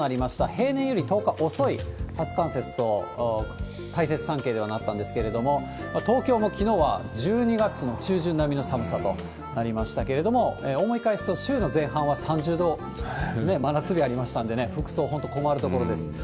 平年より１０日遅い初冠雪と、大雪山系ではなったんですけれども、東京もきのうは１２月の中旬並みの寒さとなりましたけれども、思い返すと週の前半は３０度、真夏日ありましたんでね、服装、本当困るところです。